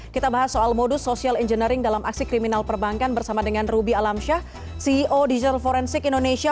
kita bahas soal modus social engineering dalam aksi kriminal perbankan bersama dengan ruby alamsyah ceo digital forensik indonesia